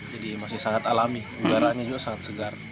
jadi masih sangat alami ugaranya juga sangat segar